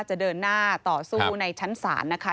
จะเดินหน้าต่อสู้ในชั้นศาลนะคะ